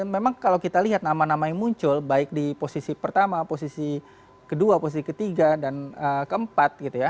memang kalau kita lihat nama nama yang muncul baik di posisi pertama posisi kedua posisi ketiga dan keempat gitu ya